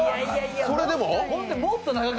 それでも？